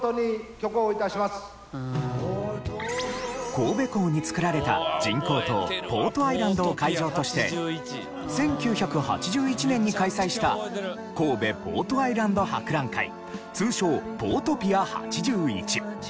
神戸港に造られた人工島ポートアイランドを会場として１９８１年に開催した神戸ポートアイランド博覧会通称ポートピア’８１。